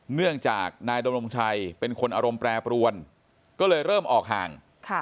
เนื่องจากนายดำรงชัยเป็นคนอารมณ์แปรปรวนก็เลยเริ่มออกห่าง